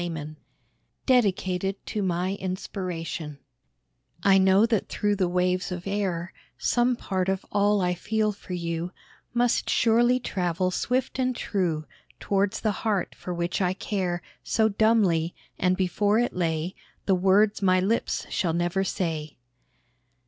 MCMVI DEDICATED TO MY INSPIRATION I know that through the waves of air, Some part of all I feel for you, Must surely travel swift and true, Towards the heart for which I care So dumbly, and before it lay The words my lips shall never say.